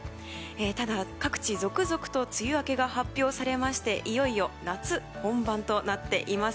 ただ、各地続々と梅雨明けが発表されましていよいよ夏本番となっています。